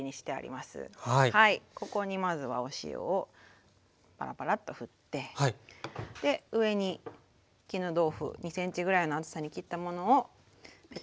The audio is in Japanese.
ここにまずはお塩をパラパラッとふって上に絹豆腐２ｃｍぐらいの厚さに切ったものをペタペタとのっけます。